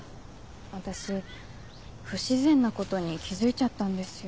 私不自然なことに気付いちゃったんですよ。